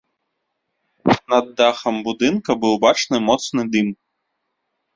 На дахам будынка быў бачны моцны дым.